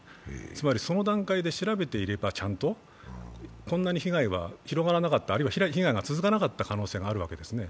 つまり、その段階でちゃんと調べていればこんなに被害は広がらなかったあるいは被害が続かなかった可能性があるんですね。